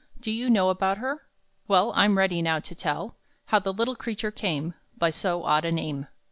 Do you know about her? Well, I'm ready now to tell How the little creature came By so odd a name.